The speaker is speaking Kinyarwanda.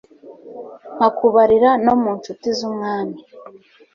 nkakubarira no mu ncuti z'umwami